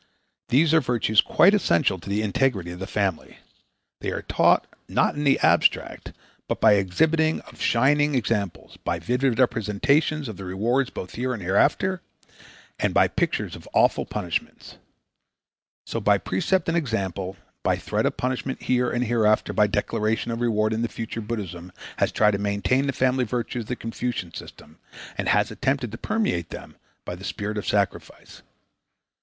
These are virtues quite essential to the integrity of the family. They are taught, not in the abstract but by the exhibition of shining examples, by vivid representations of the rewards both here and hereafter, and by pictures of awful punishments. So by precept and example, by threat of punishment here and hereafter and by declaration of reward in the future Buddhism has tried to maintain the family virtues of the Confucian system and has attempted to permeate them by the spirit of sacrifice.